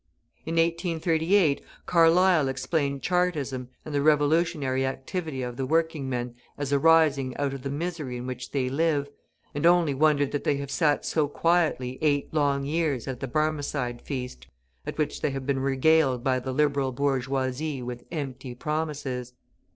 In 1838, Carlyle explained Chartism and the revolutionary activity of the working men as arising out of the misery in which they live, and only wondered that they have sat so quietly eight long years at the Barmecide feast, at which they have been regaled by the Liberal bourgeoisie with empty promises.